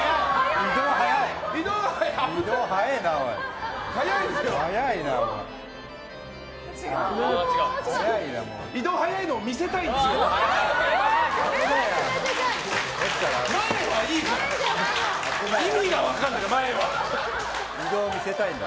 移動が速いのを見せたいんだ。